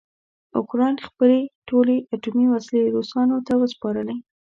اوکراین خپلې ټولې اټومي وسلې روسانو ته وسپارلې.